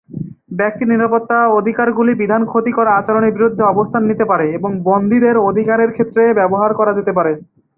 ব্যক্তির নিরাপত্তা অধিকারগুলি বিধান ক্ষতিকর আচরণের বিরুদ্ধে অবস্থান নিতে পারে এবং বন্দীদের অধিকারের ক্ষেত্রে ব্যবহার করা যেতে পারে।